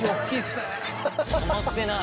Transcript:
止まってない。